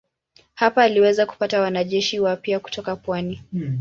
Hapa aliweza kupata wanajeshi wapya kutoka pwani.